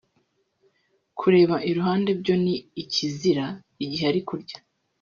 Kureba iruhande byo ni kirazira igihe ari kurya